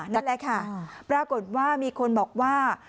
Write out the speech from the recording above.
นั่นแหละค่ะปรากฏว่ามีคนบอกว่า